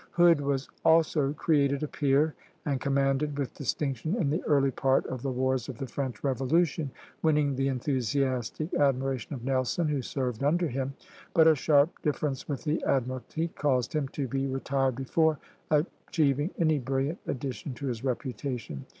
Hood was also created a peer, and commanded with distinction in the early part of the wars of the French Revolution, winning the enthusiastic admiration of Nelson, who served under him; but a sharp difference with the admiralty caused him to be retired before achieving any brilliant addition to his reputation.